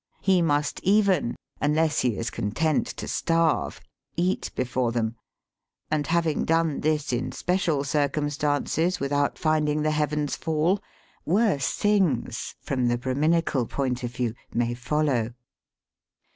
He must even, unless he is content Digitized by VjOOQIC THE HOLT CITY. 203 to starve, eat before them; and having done this in special circumstances without finding the heavens fall, worse things from the Brah minical point of view may follow.